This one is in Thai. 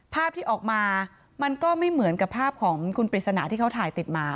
ภาพที่ออกมามันก็ไม่เหมือนกับภาพของคุณปริศนาที่เขาถ่ายติดมา